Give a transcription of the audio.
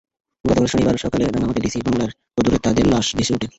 গতকাল শনিবার সকালে রাঙামাটি ডিসি বাংলোর অদূরে তাঁদের লাশ ভেসে ওঠে।